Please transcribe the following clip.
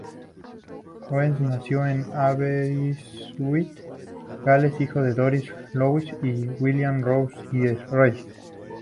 Rees nació en Aberystwyth, Gales, hijo de Doris Louise y William John Rees.